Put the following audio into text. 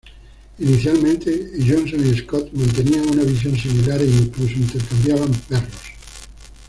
Inicialmente Johnson y Scott mantenían una visión similar e incluso intercambiaban perros.